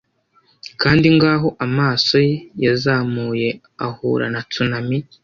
Kandi ngaho amaso ye yazamuye ahura na tsunami